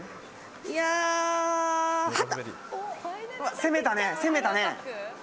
攻めたね、攻めたね。